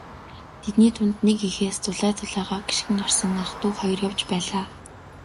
Тэдний дунд нэг эхээс зулай зулайгаа гишгэн гарсан ах дүү хоёр явж байлаа.